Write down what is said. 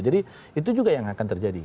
jadi itu juga yang akan terjadi